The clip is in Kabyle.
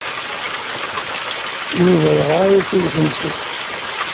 Yuba yeɣra-as i usensu.